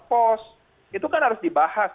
pos itu kan harus dibahas